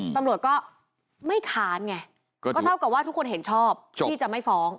ตำรวจก็ไม่ค้านไงก็เท่ากับว่าทุกคนเห็นชอบที่จะไม่ฟ้อง